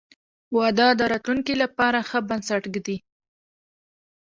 • واده د راتلونکي لپاره ښه بنسټ ږدي.